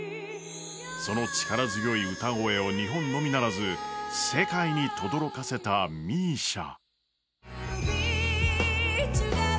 その力強い歌声を日本のみならず、世界にとどろかせたＭＩＳＩＡ。